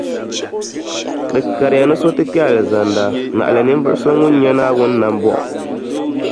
Di kariya ni so ti kpe Alizanda, naɣila ninvuɣu so ŋun nyɛ Naawuni namboɣu